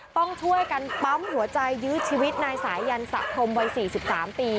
ต้องช่วยกันปั๊มหัวใจยื้อชีวิตนายสายันสะพรมวัย๔๓ปี